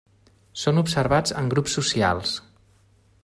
Són observats en grups socials.